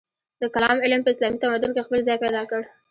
د کلام علم په اسلامي تمدن کې خپل ځای پیدا کړ.